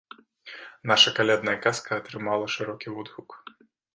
Наша калядная казка атрымала шырокі водгук.